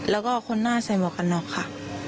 แล้วก็คนหน้าสมกรรณาคค่ะ